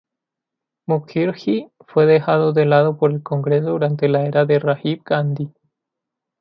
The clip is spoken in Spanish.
Mukherjee fue dejado de lado por el Congreso durante la era de Rajiv Gandhi.